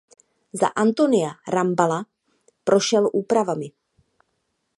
Za Antonia Rambada prošel úpravami.